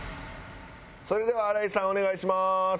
それでは新井さんお願いします。